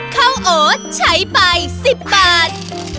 ข้าวโอ๊ตใช้ไป๑๐บาท